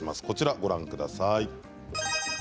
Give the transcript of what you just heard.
こちらをご覧ください。